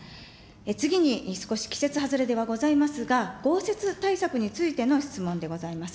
次に、少し季節外れではございますが、豪雪対策についての質問でございます。